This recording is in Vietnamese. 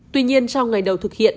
tuy nhiên trong ngày đầu thực hiện